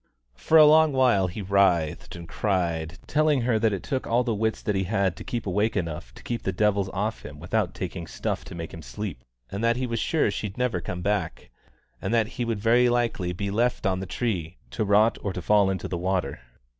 For a long while he writhed and cried, telling her that it took all the wits that he had to keep awake enough to keep the devils off him without taking stuff to make him sleep, and that he was sure she'd never come back, and that he would very likely be left on the tree to rot or to fall into the water.